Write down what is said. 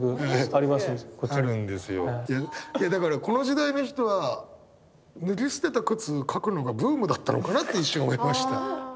いやだからこの時代の人は脱ぎ捨てた靴描くのがブームだったのかなって一瞬思いました。